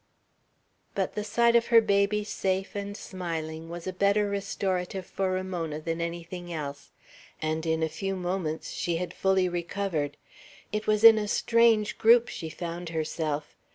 But the sight of her baby safe and smiling was a better restorative for Ramona than anything else, and in a few moments she had fully recovered. It was in a strange group she found herself.